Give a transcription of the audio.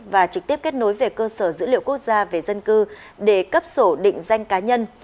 và trực tiếp kết nối về cơ sở dữ liệu quốc gia về dân cư để cấp sổ định danh cá nhân